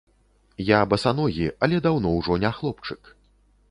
Я басаногі, але даўно ўжо не хлопчык.